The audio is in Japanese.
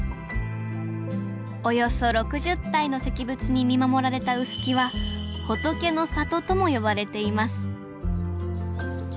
およそ６０体の石仏に見守られた臼杵は「仏の里」とも呼ばれています